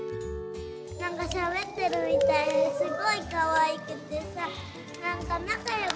なんかしゃべってるみたいですごいかわいくてさなんか仲よくなった！